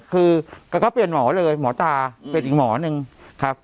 คือเขาก็เปลี่ยนหมอเลยหมอตาเป็นอีกหมอหนึ่งครับ